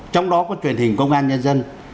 trong đó có truyền hình công an nhân dân